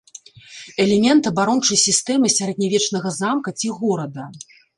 Элемент абарончай сістэмы сярэднявечнага замка ці горада.